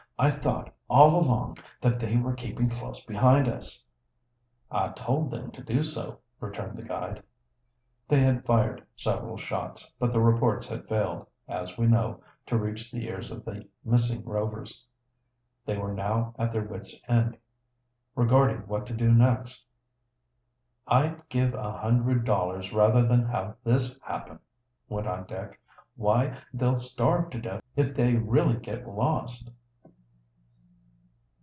"I thought, all along, that they were keeping close behind us!" "I told them to do so," returned the guide. They had fired several shots, but the reports had failed, as we know, to reach the ears of the missing Rovers. They were now at their wits' end regarding what to do next. "I'd give a hundred dollars rather than have this happen," went on Dick. "Why, they'll starve to death if they really get lost!"